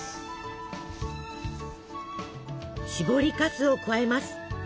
しぼりかすを加えます。